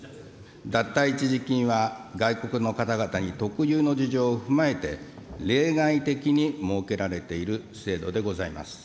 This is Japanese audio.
脱退一時金は、外国の方々に特有の事情を踏まえて、例外的に設けられている制度でございます。